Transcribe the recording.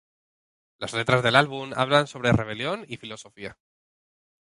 Las letras del álbum hablan sobre Rebelión y Filosofía.